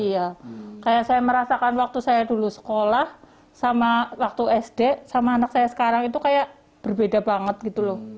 iya kayak saya merasakan waktu saya dulu sekolah sama waktu sd sama anak saya sekarang itu kayak berbeda banget gitu loh